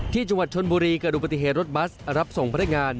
ที่จังหวัดชนบุรีกระดูกปฏิเหตุรถบัสรับส่งพันธุ์งาน